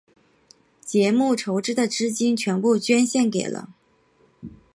节目筹集的资金全部捐献给了。